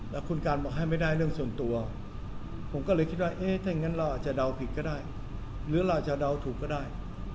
แล้วคุณการบอกให้ไม่ได้เรื่องส่วนตัวผมก็เลยคิดว่าเอ๊ะถ้าอย่างนั้นเราอาจจะเดาผิดก็ได้หรือเราจะเดาถูกก็ได้